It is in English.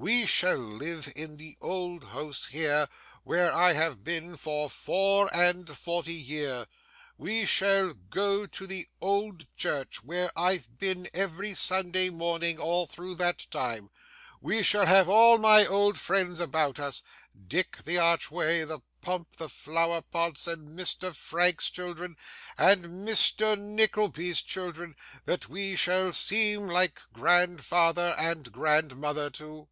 We shall live in the old house here, where I have been for four and forty year; we shall go to the old church, where I've been, every Sunday morning, all through that time; we shall have all my old friends about us Dick, the archway, the pump, the flower pots, and Mr. Frank's children, and Mr. Nickleby's children, that we shall seem like grandfather and grandmother to.